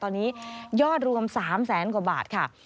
ตอนนี้ยอดรวม๓แสนกว่าบาทค่ะ